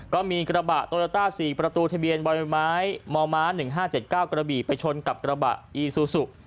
ก็มีกระบะโตโยต้า๔ประตูทะเบียนบ่อยไม้มม๑๕๗๙กระบี่ไปชนกับกระบะอีซูซู